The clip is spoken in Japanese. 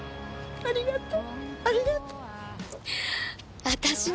ああありがとう。